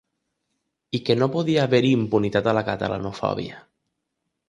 I que no podia haver-hi impunitat a la catalanofòbia.